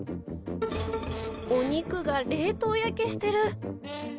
お肉が冷凍焼けしてる。